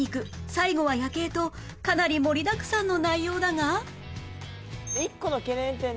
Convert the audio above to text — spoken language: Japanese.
最後は夜景とかなり盛りだくさんの内容だが